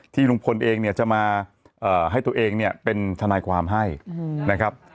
ที่ลุงพลเองจะมาให้ตัวเองเป็นทนายความให้นะครับ